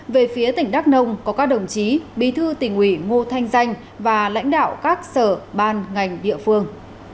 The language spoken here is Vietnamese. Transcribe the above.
về phía tỉnh đắk nông có các đồng chí bí thư tỉnh ủy ngô thanh danh và lãnh đạo các sở ban ngành địa phương